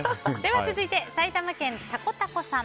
続いて、埼玉県の方。